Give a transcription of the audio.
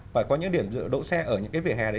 phải có những điểm giữ đỗ xe ở những cái vỉa hè đấy